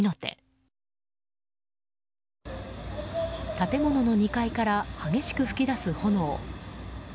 建物の２階から激しく噴き出す炎。